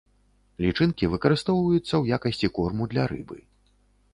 Лічынкі выкарыстоўваюцца ў якасці корму для рыбы.